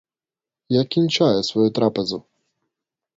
Я кінчаю свою трапезу!